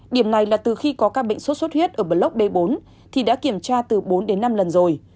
điểm này là từ khi có ca bệnh sốt xuất huyết ở block d bốn thì đã kiểm tra từ bốn đến năm lần rồi